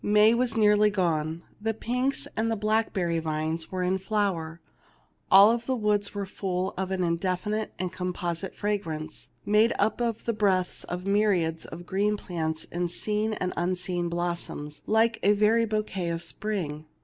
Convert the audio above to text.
May was nearly gone ; the pinks and the black berry vines were in flower. All the woods were full of an indefinite and composite fragrance, made up of the breaths of myriads of green plants and seen and unseen blossoms, like a very bou quet of spring.